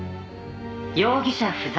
「容疑者不在。